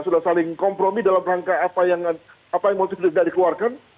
sudah saling kompromi dalam rangka apa yang motif tidak dikeluarkan